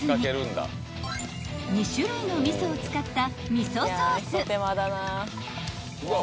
［２種類の味噌を使った］